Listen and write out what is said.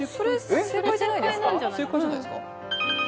それ正解じゃないですか？